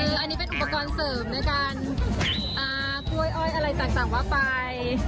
อ่าอันนี้เป็นอุปกรณ์เสริมด้วยกันอ่ากล้วยอ้อยอะไรต่างต่างว่าไป